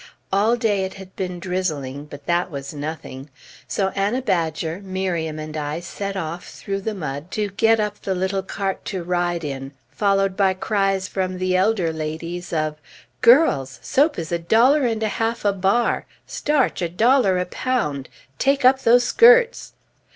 All day it had been drizzling, but that was nothing; so Anna Badger, Miriam, and I set off, through the mud, to get up the little cart to ride in, followed by cries from the elder ladies of "Girls! Soap is a dollar and a half a bar! Starch a dollar a pound! Take up those skirts!"